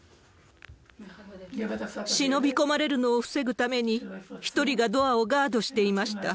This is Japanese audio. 忍び込まれるのを防ぐために、１人がドアをガードしていました。